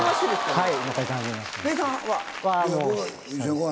はい！